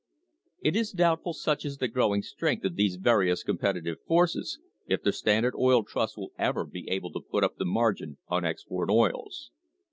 It is doubtful, such is the growing strength of these various competitive forces, if the Standard Oil Trust will ever be able to put up the margin on export oils.